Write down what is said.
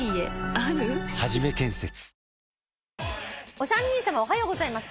「お三人さまおはようございます。